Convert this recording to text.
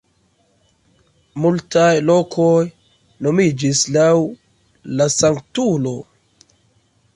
Multaj lokoj nomiĝis laŭ la sanktulo.